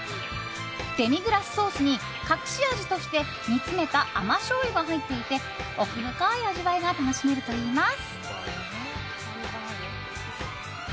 デミグラスソースに隠し味として煮詰めた甘しょうゆが入っていて奥深い味わいが楽しめるといいます。